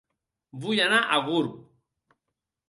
Vull anar a Gurb